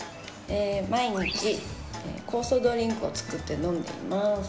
毎日酵素ドリンクを作って飲んでいます。